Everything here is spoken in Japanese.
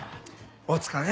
お疲れ。